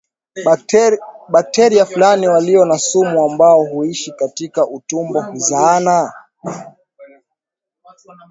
Bakteria fulani walio na sumu ambao huishi katika utumbo huzaana